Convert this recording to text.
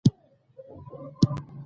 ډاکټران باید محتاط وي.